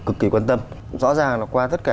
cực kỳ quan tâm rõ ràng là qua tất cả